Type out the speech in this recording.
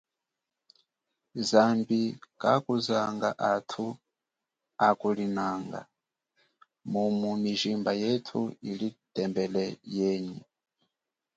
Zambi kakuzanga hatu akulinanga mumu mijimba yetu ili tembele yenyi.